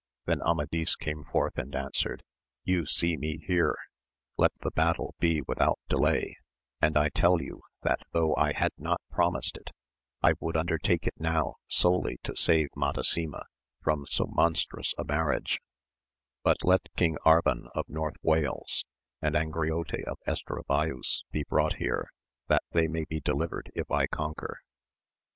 Then Amadis came forth and answered, You see me here : let the battle be without delay, and I tell you that though I had not promised it, I would undertake it now solely to save Madasima from so AMADIS OF GAVL. 91 monstrous a marriage ; but let King Arban of North Wales, and Angriote of Estravaus be brought here, that they may be delivered if I conquer.